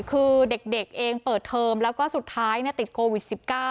คือเด็กเองเปิดเทอมแล้วก็สุดท้ายติดโควิด๑๙